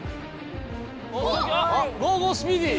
おっゴーゴースピーディー！